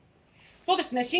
そうですね。